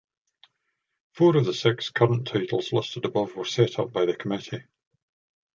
Four of the six current titles listed above were set up by the committee.